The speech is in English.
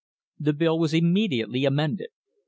The bill was immediately amended.